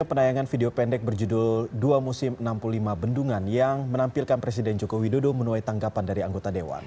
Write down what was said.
penayangan video pendek berjudul dua musim enam puluh lima bendungan yang menampilkan presiden joko widodo menuai tanggapan dari anggota dewan